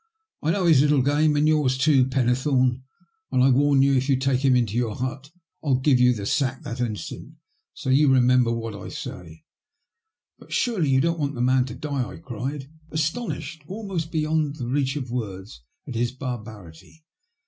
I know his little game, and yours too, Fennethome, and I warn you, if you take him into your hut I'll give you the sack that instant, and so you remember what I say." *' But you surely don't want the man to die ?" I cried, astonished almost beyond the reach of words at his barbarity.